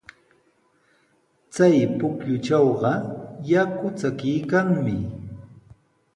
Chay pukyutrawqa yaku chakiykanmi.